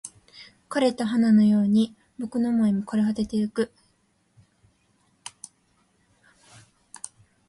枯れた花のように僕の想いも枯れ果ててゆく